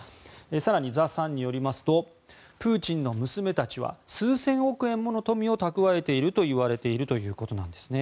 更に、ザ・サンによりますとプーチンの娘たちは数千億円もの富を蓄えているといわれているということです。